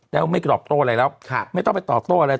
แล้วไม่ตอบโต้อะไรแล้วไม่ต้องไปตอบโต้อะไร